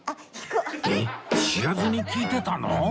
えっ知らずに聴いてたの！？